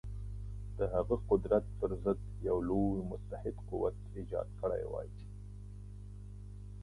د هغه قدرت پر ضد یو لوی متحد قوت ایجاد کړی وای.